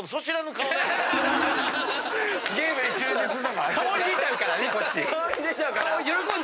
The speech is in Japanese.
顔に出ちゃうからこっち。